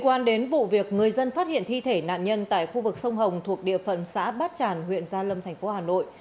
quan đến vụ việc người dân phát hiện thi thể nạn nhân tại khu vực sông hồng thuộc địa phận xã bát tràn huyện gia lâm thành phố hà nội